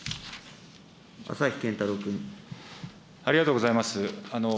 ありがとうございます。